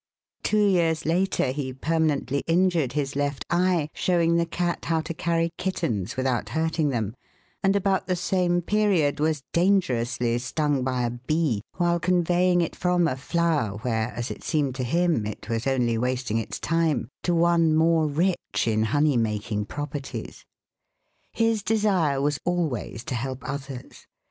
Two years later he permanently injured his left eye, showing the cat how to carry kittens without hurting them, and about the same period was dangerously stung by a bee while conveying it from a flower where, as it seemed to him, it was only wasting its time, to one more rich in honey making properties. His desire was always to help others.